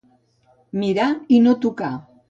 Mirar i no tocar.